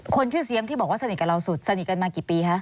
คนชื่อเซียมที่บอกว่าสนิทกับเราสุดสนิทกันมากี่ปีคะ